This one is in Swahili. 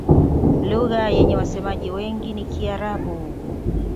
Lugha yenye wasemaji wengi ni Kiarabu.